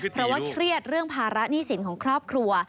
เพราะว่าเครียดเรื่องภาระหนี้สินของครอบครัว